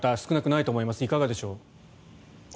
いかがでしょう？